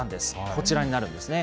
こちらになるんですね。